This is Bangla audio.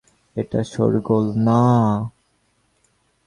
এটা শোরগোল না!